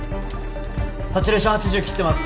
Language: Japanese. サチュレーション８０切ってます。